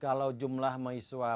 kalau jumlah mahasiswa